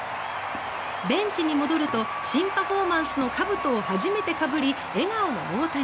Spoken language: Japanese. ベンチに戻ると新パフォーマンスのかぶとを初めてかぶり、笑顔の大谷。